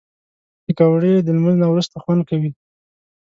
پکورې د لمونځ نه وروسته خوند کوي